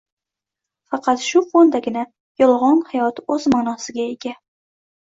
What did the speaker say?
Faqat shu fondagina “yolg‘on hayot” o‘z ma’nosiga ega: